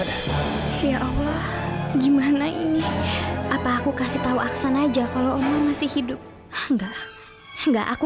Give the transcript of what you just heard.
ya allah gimana ini apa aku kasih tahu aksan aja kalau om masih hidup enggak enggak aku